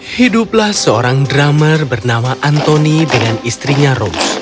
hiduplah seorang drummer bernama anthony dengan istrinya rose